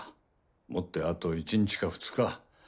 もってあと１日か２日。